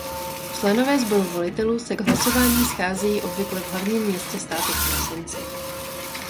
Členové sboru volitelů se k hlasování scházejí obvykle v hlavním městě státu v prosinci.